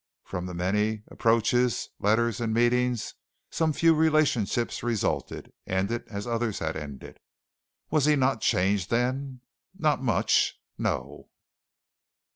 From the many approaches, letters and meetings, some few relationships resulted, ending as others had ended. Was he not changed, then? Not much no.